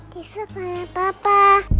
tisu ke mama papa